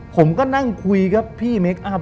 ผมก็นั่งคุยกับพี่เมคอัพ